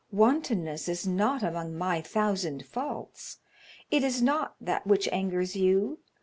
Wantonness is not among my thousand faults. It is not that which angers you.